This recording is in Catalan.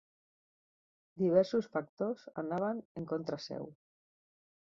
Diversos factors anaven en contra seu.